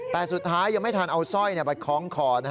แต่สุดท้ายยังไม่ทันเอาสร้อยไปคล้องคอ